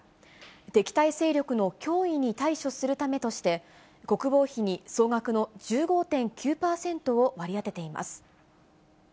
敵対勢力の脅威に対処するためとして、国防費に総額の１５．９％を割り当てています。